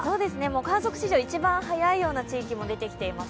観測史上一番早いような地域も出てきています。